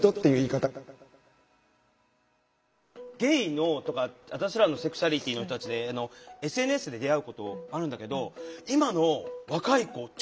ゲイのとか私らのセクシュアリティーの人たちでＳＮＳで出会うことあるんだけど今の若い子ちょっと多くなってきてんの。